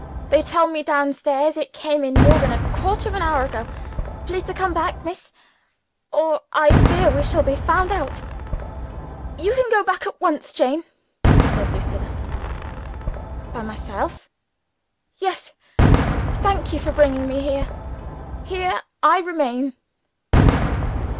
They tell me down stairs it came in more than a quarter of an hour ago. Please to come back, Miss or I fear we shall be found out." "You can go back at once, Jane," said Lucilla. "By myself?" "Yes. Thank you for bringing me here here I remain."